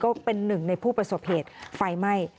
ก็เป็นหนึ่งในผู้ประสบเหตุไฟไหม้